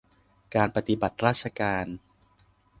การปฏิบัติราชการ